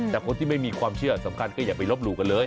แต่คนที่ไม่มีความเชื่อสำคัญก็อย่าไปลบหลู่กันเลย